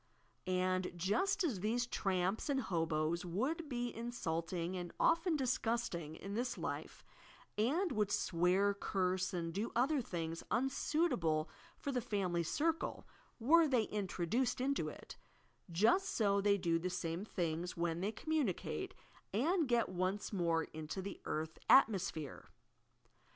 And, just as these tramps and hoboes would be insult ing and often disgusting in this life, and would swear, curse and do other things unsuitable for the family cir cle, — were they introduced into it, — just so they do the same things when they communicate, and get once more into the " earth atmosphere.